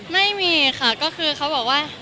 ไม่มีค่ะก็คือเขาบอกว่า